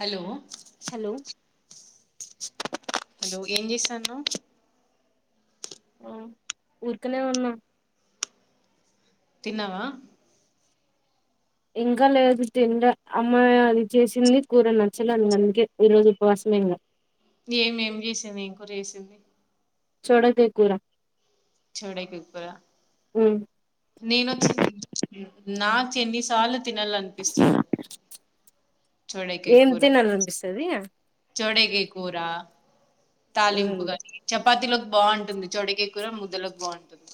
Hello hello hello ఏం చేస్థాండావ్ ఆ ఊరికనే ఉన్న తిన్నావా? ఇంకా లేదు తినలే అమ్మాయి అది చేసింది కూర నచ్చలేని అందుకే ఈ రోజు ఉపవాసమే ఇంగ ఏంమేం చేసింది ఏం కూర చేసింది చెవులకాయ కూరా చెవడైకి కూర ఉమ్ నేను వచ్చ నాక్ ఎన్ని సాళ్ళు ఎం తినాలనిపిస్తది చోడేకాయ్ కూర ఉమ్ తాలింపుగా చెప్ పతిలోకి బాగుంటుంది చోడేకాయ్ కూర ముద్దలోకి బాగుంటుంది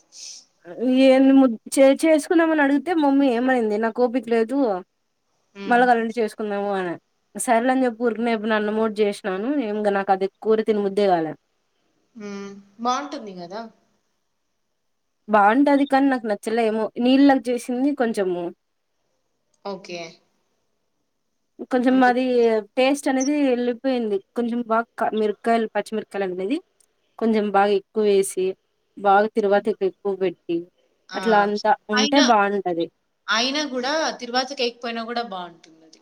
అ ఎంది ము చె చేసుకున్నామని అడిగితే మమ్మీ ఏమనింది నాకు ఓపిక లేదు ఉమ్ మళ్ళకవలాంటే చేసుకుందాము అన నే సరిలే అని చెప్పి ఊరికనే అన్నామోటి చేసినాను ఏం ఇంగ నాకు అది కూరి తిని ముద్దేగాలే హు బగుంటందిీ కదా బాగుంటది కానీ నాకు నచ్చలే ఏమో నీళ్ళలాగ చేసింది కొంచము ఓకే కొంచం అందుకు అది టేస్ట్ అనేది వెళ్ళిపోయింది కొంచెం బాగా మిరకాయ పచ్చిమిరకాయలు అనేది కొంచెం బాగా ఎక్కువ వేసి బాగా తిరువాతిప్ ఎక్కువ పెట్టి ఆ అట్లా అంతా ఉంటే అయిన బాగుంటది అయిన కూడా తిరువాతికేయకపోయినా కూడా బాగు ఉంటుందది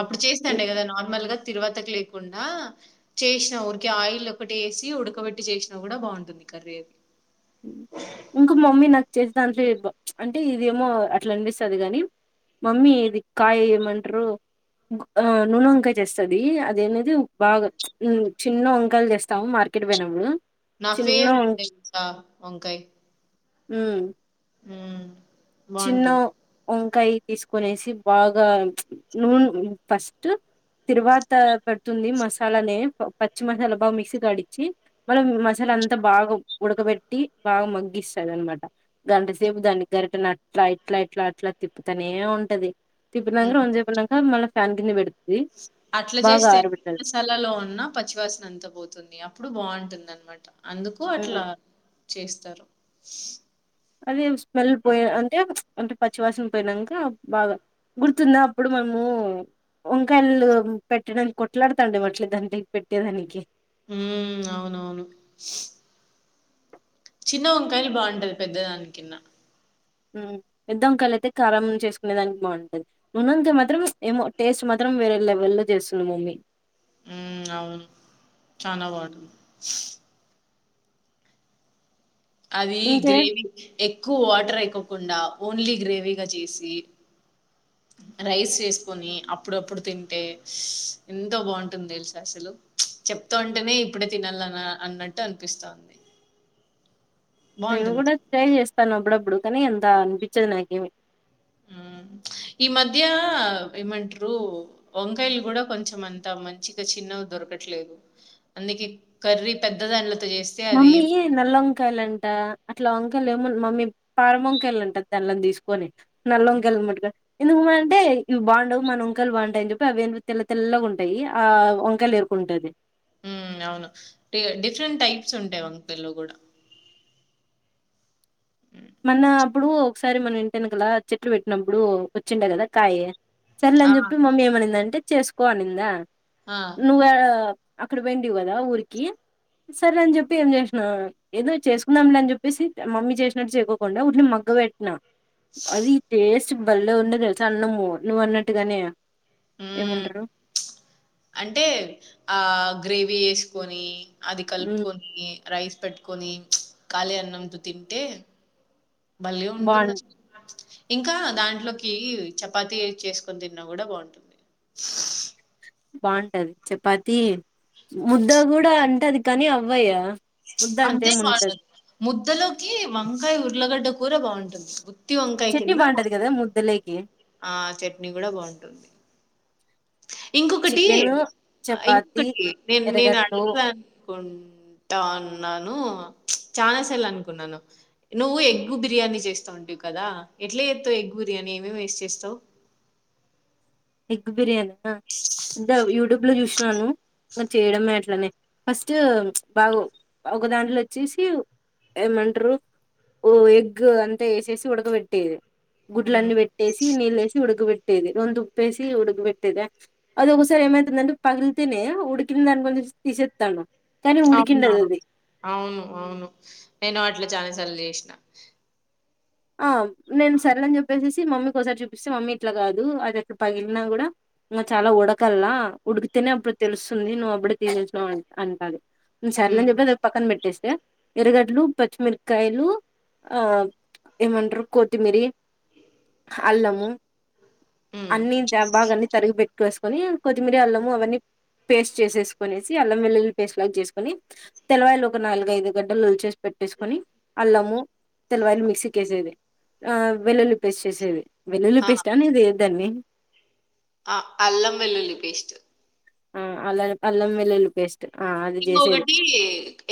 అప్పుడు చేస్తాండే కదా నార్మల్ గా తిరువాతకు లేకుండా చేసినా ఊరికిే ఆయిల్ ఒకటి వేసి ఉడకబెట్టి చేసినా కూడా బాగుంటుంది కర్రీ అది ఇంక మమ్మీ నాకు చేసే దాంట్లో ఏబో అంటే ఇదేమో అట్లా అనిపిస్తది కాని మమ్మీ ఇది కాయ ఏమంటారు ఆ నూనె వంకాయ చేస్తది అది అనేది బాగా చిన్న వంకాయలు తెస్తాము మార్కెట్ పోయినప్పుడు నా చిన్న ఫేవెరేట్ తెలుసా వంకాయ్ హుమ్ హుం చిిన్న ఓమ్ కాయ్ తీసుకొనేసి బాగా నూన్ ఫస్ట్ తిరువాత పెడుతుంది మసాలానే పచ్చి మసాలా బా మిక్సీగాడిచ్చి మళ్ళ మసాలా అంతా బాగా ఉడకబెట్టి బాగా మగ్గిస్తంది అనమాట గంటసేపు దాన్ని గరిట నట్ ఇట్లా ఇట్లాఇట్లా అట్లా తిప్పుతనే ఉంటది తిప్పినంక మ్మ్. రోంజైపోయినంక మళ్ళ ఫ్యాన్ కింద పెడ్ అట్లా చేస్తేనే మసాలాలో ఉన్న పచ్చివాసన అంత పోతుంది అప్పుడు ప్పుడు బాగుంటుందన్నమాట అందుకు అట్లా చేస్తారు అదే స్మెల్ పోయ్ అంటే అంటే పచ్చివాసన పోయినంక బాగా గుర్తుంద అప్పుడు మనము వంకాయలు పెట్టడానికి కొట్లాడుతాండెం మట్ల దాడ్లి పెట్టేదానికి హు అవునవును చిన్న వంకాయలు బాగుంటది పెద్దదాని కిన్నా హు పెద్దంకాయ్లై తే కారం చేసుకునే దానికి బాగుంటది నున్నంతే మాత్రం ఏమో టేస్ట్ మాత్రం వేరే లెవెల్ల్లో చేస్తుంది మమ్మీ ఆ అవును చనా వాటర్ అది ఇంకే గ్రేవీ ఎక్కువ వాటర్ అయికో కుండా ఓన్లీ గ్రేవీగా చేసి రైస్ వేసుకొని అప్పుడప్పుడు తింటే ఎంతో బాగుంటుంది తెలుస అసలు చెప్తూ ఉంటేనే ఇప్పుడే తినాల అన్నట్టు అనిపిస్తుంది నేను బాగుంటుంది కూడా ట్రై చేస్తా తనప్పుడప్పుడు కానీ ఎంత అనిపించది నాకేమి ఈ మధ్య ఏమంటారు వంకాయలు కూడా కొంచెం అంతా మంచిగా చిన్న దొరకట్లేదు అందుకే కర్రీ పెద్ద దాని మమ్మీ నల్ల వంకాయలంట అట్లా వంకాయ వంకాయలుమో మమ్మీ పారం వంకాయలు ఉంటది తెల్ని తీసుకొని నల్ల వంకాయలు ఎందుకు అంటే ఇవి బాగుండవు మన వంకాలు బాగుంటాయని చెప్పి అవి తెల్ల తెల్గా ఉంటాయి ఆ వంకాయలు ఎరుకుంటది ఉ అవును డిఫరెంట్ టైప్స్ ఉంటాయి వంకాయలో కూడా హ్మ్. మోన్న అప్పుడు ఒకసారి మనం ఇంటి ఎనుకల చెట్లు పెట్టినప్పుడు వచ్చిండే కదా కాయ సర్లే ఆ, అని చెప్పి మమ్మీ ఏమనింది అంటే చేసుకోవాలిందా ఆ, నువ అక్కడ పోయింటివి కదా ఊరికి సరే అని చెప్పి ఏం చేసినా ఏదో చేసుకుందాం లే అని చెప్పేసి మమ్మీ చేసిన సుకోకుండా వాటిని మగ్గ పెట్టినా అది టేస్ట్ బలే ఉన్నది తెలుస అన్నము నువ్వు అన్నట్టుగానే హ్మ్. ఏమంటారు అంటే ఆ గ్రేవీ వేసుకొని అది ఉమ్ కలుపుకొని రైస్ పెట్టుకొని ఖాళీ అన్నంతో తింటే భలే ఉంటుంది బాగుం అసలు ఇంకా దాంట్లోకి చపాతి చేసుకొని తిన్నా కూడా బాగుంటుంది బాగుంటది చపాతి ముద్ద కూడా అంటది కానీ అవ్వయా అంతే కాదు ముద్దలోకి వంకాయ ఉర్లగడ్డ కూర బాగుంటది ఉత్తి వంకాయ చట్నీ కింద బాగుంటది కదా ముద్దలేకి ఆ చట్నీ కూడా బాగుంటుంది ఇంకొకటి చికెన్ చపాతి ఇంకోటి నే నేను ఎర్రగడ్లు అడగుదామను కుంటానా అన్నాను చాలా సార్లు అనుకున్నాను నువ్వు ఎగ్గు బిర్యానీ చేస్తా ఉంటావు కదా ఎట్లే చేస్తవు ఎగ్గు బిర్యానీ ఏమేమి వేసి చేస్తావు ఎగ్ బిర్యానీ అంత యూట్యూబ్ లో చూసినాను ఇంకా చేయడమే అట్లనే ఫస్ట్ బాగా ఒక దాంట్లో వచ్చేసి ఏమంటారు ఓ ఎగ్ అంతా వేసేసి ఉడకబెట్టే హ్మ్. గుడ్లన్నీ పెట్టేసి నీళ్ళేసి ఉడకబె టెది ప్పేసి ఉడుకి పెట్టేద అద ఒకసారి ఏమవుతుందంటె పగిలితే ఉడుకిందనుకుని తీసేత్తాన అవునవును అవును అవును నేను వాటిల చాలా సార్లు చేసిన ఆ నేను సరేలే అని చెప్పేసి మమ్మీకి ఒకసారి చూపిస్తే మమ్మీ ఇట్లా కాదు అది అట్ట పగిలిన కూడా ఇంకా చాలా ఉడకల్లా ఉడికితేనే అప్పుడు తెలుస్తుంది నువ్వు అప్పుడే తీసేసినావు అం అంటంది సర్లే అని హ్మ్. చెప్పే పక్కన పెట్టి ఎరగడ్లు పచ్చిమిరకాయలు ఆ ఏమంటారు కొత్తిమీరి అల్లము హ్మ్. అన్ని ద భాగా తరిగి పెట్ చేసుకుని కొత్తిమీర అల్లం అవ్వన్నీ పేస్ట్ చేసేసుకొనేసి అల్లం వెల్లుల్లి పేస్టు లాగా చేసుకుని తెల్లవాయిలు ఒక నాలుగైదు గడ్డలు ఒలిచేసి పెట్టేసుకొని అల్లము తెల్లవాయిలు మీక్ క్కేసేది ఆ వెల్లుల్లి పేస్ట్ చేసేది వెల్లుల్లి ఆ! పేస్ట్ అనిది దన్ని ఆ అల్లం వెల్లుల్లి పేస్ట్ ఆ అల అల్లం వెల్లుల్లి పేస్ట్ ఆ అది చేసేది ఇంకొకటి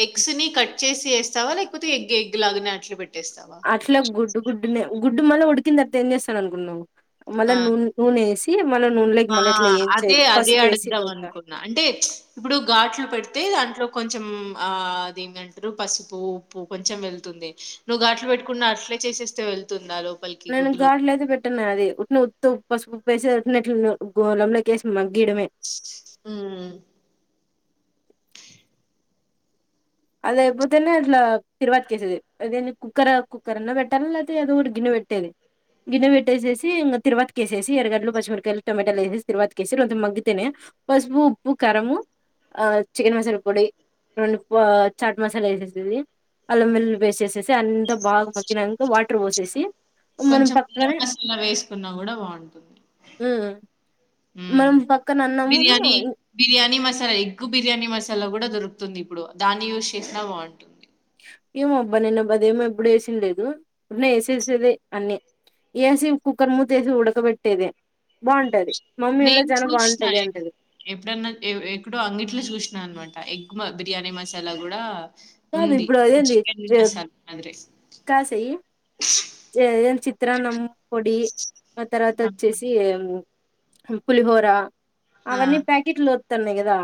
ఎగ్స్ ని కట్ చేసి వేస్తావా లేక్ కొతే ఎగ్ ఎగ్ లాగనే అట్లే పెట్ అట్లా గుడ్డు గుడ్డునే గుడ్డు మళ్ళ ఉడికినా తర్వాత ఏం చేస్తానుకున్నావు మల్ల ఆ! నూనె వేసి మళ్ళ నూనెలోకి ఆ మళ్ళీ ఇట్లా అదే ఏంచేది అదే పసుపు వేసి అడుగుదాం ఇదంతా అనుకున్నా అంటే ఇప్పుడు ఘాట్లు పెడితే దా ట్లో కొంచెం ఆ అది ఏంటంటారు పసుపు ఉప్పు కొంచెం వెళ్తుంది నువ్వు గాట్లు పెట్కున్న అట్లే చేసేస్తే వెళ్తుందా లో నేను గాట్లు అయితే పెట్టటిన అది ఉట్నో ఉత్తొ పసుపు, ఉప్పు గోలినంక ఏసి ఉం అదయిపోతేనే అట్లా తిరువాతికేసేది అదే కుక్కర్ కుక్కర అన్నా పెట్టాలా లేపోతే అదో ఒకటి గిన్నె పెట్టేది గిన్నె పెట్టేసేసి ఇంగా తిరువాతికేసేసి ఎరగడ్లు పచ్చిమిరకాయలు టొమాటాలు వేసేసి తిరువాతికేసి మగ్గి తేనె పసుపు, ఉప్పు, కారము చికెన్ మసాల పొడి రెండు చాట్ మసాలా వేసేసేది అల్లం వెల్లిలు వేస్ట్ చేసేసి అన్ని బాగా మగ్గినంక వాటర్ పోసేసి మనం కొంచెం గరం పక్కనే మసాలా వేసుకున్నా గూడా బావుంటుంది. ఉ హ్మ్. మనం పక్కన అన్నామును బిర్యానీ, ఉ బిర్యానీ మసాలా ఎగ్గు బిర్యానీ మసాలా కూడా దొరుకుతుంది, ఇప్పుడు దాన్ని యూజ్ చేసినా బాగుంటుంది. ఏమో అబ్బా నేను అబ్బా అదేమో ఎప్పుడు వేసింది లేదు ఉన్న వేసేసేదే అన్ని వేసి కుక్కర్ మూత వేసి ఉడకబెట్టేదే బాగుంటది మమ్మీ ఇలా నేను చాలా చూసిన బాగుంటది అంటది ఎప్పుడన్నా ఎక్కడో అంగట్లో చూసినా అన్నమాట మ బిర్యానీ మసాలా కూడా కాదు ఉంది ఇప్పుడు అదేంది చికెన్ మసాలా మాదిరే కాసయి జయన్ చిత్రాన్నం పొడి ఆ తర్వాత వచ్చేసి పులిహోరా ఆ, అవన్నీ ప్యాకెట్లో తన్నే కదా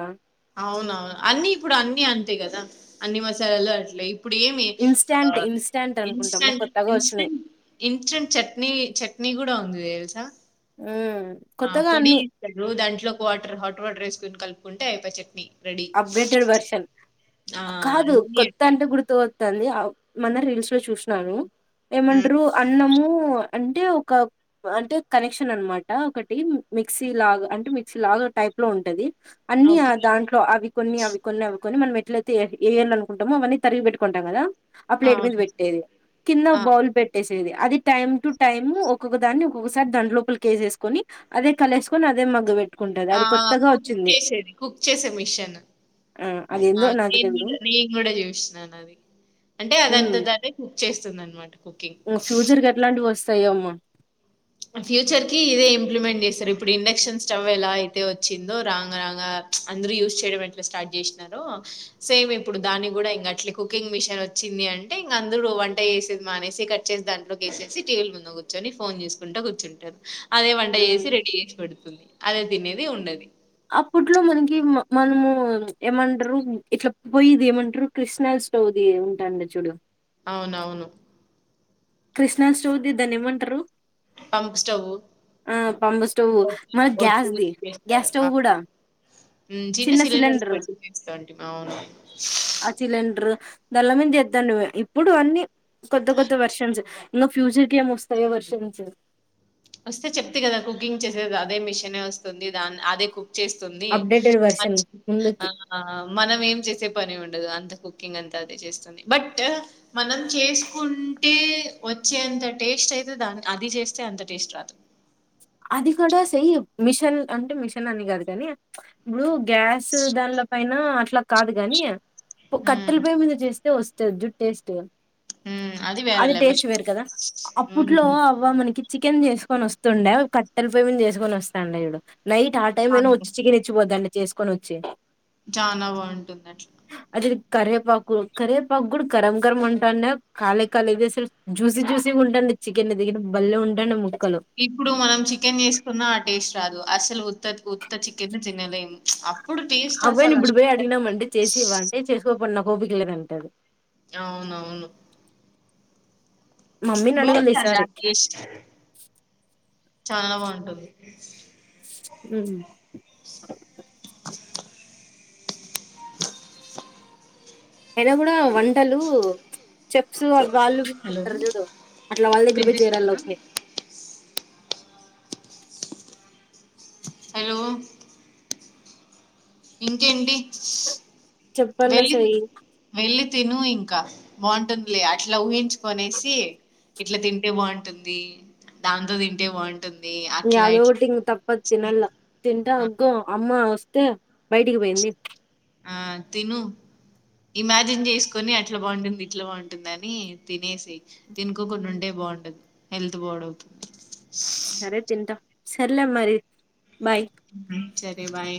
అవునవును అన్ని ఇప్పుడు అన్ని అంతే కదా అన్ని మసాలాలు అట్లే ఇప్పుడు ఏమి ఇన్స్టాంట్ ఇన్స్టాంట్ అనుకుంటాము ఇన్స్టెంట్ కొత్తగా వచ్చినాయి ఇన్స్టెంట్ ఇన్స్టాంట్ చట్నీ చట్నీ కూడా ఉంది తెలుసా ఉమ్, ఆ కొత్తగా పొడి అన్ని ఇస్తదు దాంట్లో ఒక వాటర్ హాట్ వాటర్ వేసుకొని కలుపుకుంటే అయిపోయి చట్నీ రెడీ అప్డేటెడ్ వర్షన్ కాదు అన్ని కొత్త అట్లే అంటే గుర్తు ంది మన చూను ఉమ్, ఏమంటారు అన్నము అంటే ఒక అంటే కనెక్షన్ అనమాట ఒకటి మిక్సీ లాగ అంటే మిక్సీ లాగ టైప్ లో ఉంటంది అన్నియ ఓకే దా అవి కొన్ని అవి కొన్ని అవి ని మనం ఎట్లయితే ఏర్ అకుంటామో అన్న తరిగి పెట్టుకుంటాం కదా ఆ ప్లేట్ మీద అవును పెట్టేది కింద ఆ, బౌల్ పెట్టేసి అది టైమ్ టు టైమ్ ఒక్కొక్క దాన్ని ఒక్కొక్కసారి దం లోపల కేేసేసుకొని అదే కలసుకొని అదే మగ్గ పెట్ ఆ కుక్ చేసేది కుక్ చేసేది మిషన్ ఆ అదేందో న నాకు తెలీదు నేను కూడా చూస్తున్నాను అది అంటే అదంత దనే కుక్ చేస్తుంది అనమాట కుకింగ్ వస్తయము ఫ్యూచర్ కి ఇదే ఇంప్లిమెంట్ చేస్తారు ఇప్పుడు ఇండక్షన్ స్టవ్ ఎలా అయితే వచ్చిందో రాంగ రాంగ అందరుూ యూజ్ చేయడం ఎట్లా స్టార్ట్ చేసినారో సేమ్ ఇప్పుడు దాన్ని కూడా ఇం అట్ కుకింగ్ మిషన్ వచ్చింది అంటే ఇంక అందరూ వంట వేసేది మానేసి కట్ చేసి దాంట్లోకిేసేసి టీవీల ముందు కూర్చొని ఫోన్ చేసుకు కుంట కూర్చుంటది అదే వంట చేేసి రెడీ చేసి పెడుతుంది అదే తినేది ఉండది అప్పట్లో మనకి మనము ఏమంటారు ఇట్లా పోయిది ఏమంటారు కృష్నా స్టోది ఉంటాండి చూడు అవునవును. కృష్ణా చౌద్దద్ద నిమ్ంటారు పంప్ స్టవ్ ఆ పంపు స్టవ్ మన ఒత్తులు గ్యాస్దిి చేస్తారు. గ్యాస్ స్టవ్ కూడా అవును. హ్మ్. చిన్న సిలిండర్స్ సిలిండర్ పెట్టి చేస్తాంటిమి. అవును. ఆ సిలిండర్ ధల్లమద చేద్దాను నువవు ఇప్పుడు అన్నీ కొద్త్త కొద్త్త వర్షంస్ ఇ ఫ్యూచర్ క ఏం వస్తాయి వర్షం నుంచి వస్తే చెప్తే కదా కుకింగ్ చేసేది అదే మిషన్ వస్తుంది దాని అదే కు చేస్తుంది అప్డేటెడ్ వర్షన్ ముందుకి మనం ఏం చేసే పని ఉండదు అంతకు కుంగ్ అంత అదిే చేస్తుంది బట్ మనం చేసుకుంటే వచ్చేంత టేస్ట్ అయితే దా అది చేస్తే అంత అష్ట రాత్ర అది కూడా స్య మిషన్ అంటే మిషన్ అని కాదు కానీ ఇప్పుడు గ్యాస్ దానిలో పైన లా కాదుగానీ హ్మ్. కట్టెల పయ మీద చేస్తే వస్తుంది జుట్టేస్ే హ్మ్. వేరే అది లెవెల్. టేస్ట్ వేరు కదా అప్పుట్లో హ్మ్. అవ్వ మనకి చికెన్ జేసుకొని వస్తుండే కట్టెలు పోయి మీంద జేసుకొని వస్తాండు జూడు నైట్ ఆ టైమ్ అయినా చానా, వచ్చి చికెన్ ఇచ్చిపోతాండ చేసుకొని వచ్చి చానా బాంటుంది అట్ల ఇది కరవేపాకు కరవేపాకు గూడా కరం కరం ఉంటాండ్య కాళే కాలేవి అసలు జూసి జూసి గా ఉంటాండ్య చికెన్ దగర బలే ఉంటాండ్య ము ఇప్పుడు మనం చి చికెన్ చేసుకున్నా ఆ టేస్ట్ రాదు అసలు ఉత్త ఉత్త చికెన్ తినలేం అబ్బాయిని ఇప్పుడిబెయ్ అడిగినామంటే చేసి ఇవ్వంటే చేసుకో నాకోపిక లేదు అంటాది ఆవునవును మమ్మీని అడగాలి బావుంటాందా ఈసారి టేస్ట్ హ్మ్ అయినా కూడా వంటలు చెప్స్ వాళ్ళు హలో వీళ్లుంటరు జూడు అట్లా వాళ్ళ దగ్గర పోయి చేరల్ల వినిపిస్తుందా ఊరిక్నె హలో ఇంకేంటి చెప్పల్ల వెళ్ళి సాయి వెళ్ళి తిను ఇంకా బాంటుందిలే అట్లా ఊహించుకనేసి ఇట్లా తింటే బాంటుంది దాంతో తింటే బాంటు యాదో ఒగటి ఇంగ తప్పదు తినల్ల తింట ఆ అగ్గొ అమ్మ స్తే బయటికి పెయింది ఆ తిను ఇమాజిన్ చేసుకొని అట్లా బాంటుంది ఇట్లా బాంటుంది అని తినేసెయ్ తినుకోకుండా ఉంటే బావుండదు హెల్త్ పాడు అవుతుంది సరే తింటా సర్లే మరి బాయ్ హ్మ్ సరే రే బాయ్